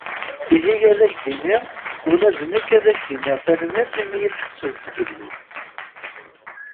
Ihi ad ak-d-iniɣ ula d nekk ad ak-d-iniɣ tanmirt imi iyi-d-tḥesseḍ zgelli.